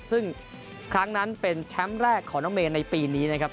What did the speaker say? ซึ่งครั้งนั้นเป็นแชมป์แรกของน้องเมย์ในปีนี้นะครับ